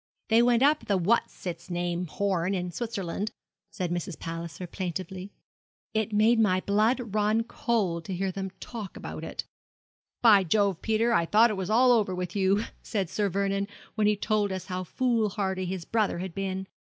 'They went up the what's its name Horn, in Switzerland,' said Mrs. Palliser, plaintively. 'It made my blood run cold to hear them talk about it. "By Jove, Peter, I thought it was all over with you," said Sir Vernon, when he told us how foolhardy his brother had been.